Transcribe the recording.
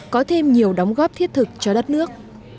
có thêm nhiều đóng góp thiết thực cho đất nước